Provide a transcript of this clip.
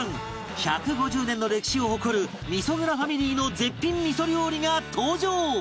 １５０年の歴史を誇る味蔵ファミリーの絶品味料理が登場！